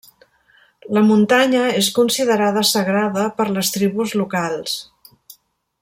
La muntanya és considerada sagrada per les tribus locals.